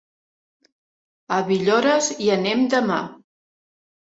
A Villores hi anem demà.